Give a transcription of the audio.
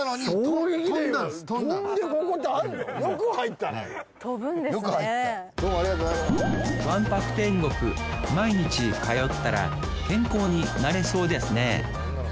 わんぱく天国毎日通ったら健康になれそうですね